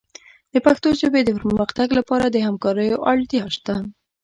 د پښتو ژبې د پرمختګ لپاره د همکاریو اړتیا شته.